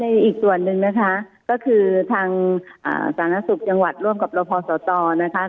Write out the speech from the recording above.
แล้วในอีกตัวหนึ่งนะคะก็คือทางศาลนักศึกษ์จังหวัดร่วมกับรพสตนะคะ